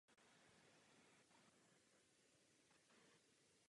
Momentálně to však bude složité.